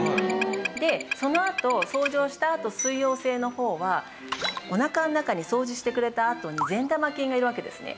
でそのあと掃除をしたあと水溶性の方はおなかの中に掃除してくれたあとに善玉菌がいるわけですね。